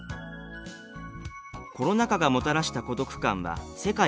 「コロナ禍がもたらした孤独感は世界共通の体験。